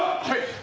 はい！